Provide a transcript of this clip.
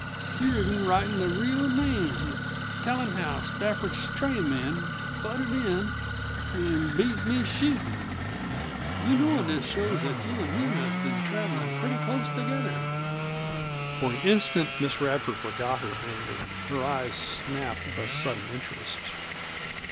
You're even writin' the real names an' tellin' how Stafford's stray man butted in an' beat me shootin'. You knowin' this shows that him an' you has been travelin' pretty close together." For an instant Miss Radford forgot her anger. Her eyes snapped with a sudden interest.